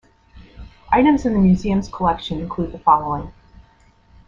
Items in the museum's collection include the following.